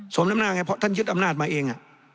สมน้ำหน้าไงเพราะท่านยึดอำนาจมาเอง